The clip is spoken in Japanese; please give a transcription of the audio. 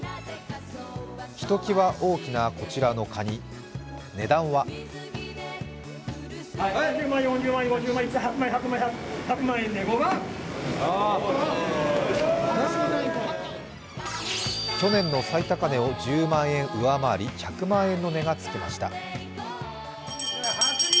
ひときわ大きなこちらのカニ、値段は去年の最高値を１０万円上回り１００万円の値がつきました。